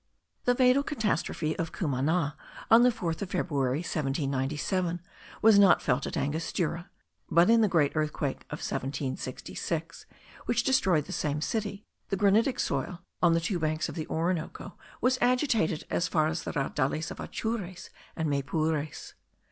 The fatal catastrophe of Cumana, on the 4th of February, 1797, was not felt at Angostura; but in the great earthquake of 1766, which destroyed the same city, the granitic soil of the two banks of the Orinoco was agitated as far as the Raudales of Atures and Maypures.